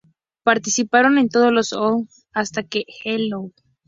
Participaron en todos los openings hasta que Hello!